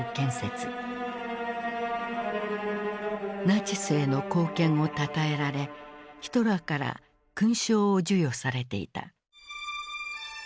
ナチスへの貢献をたたえられヒトラーから勲章を授与されていた。